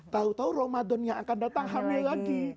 tahu tahu ramadan yang akan datang hamil lagi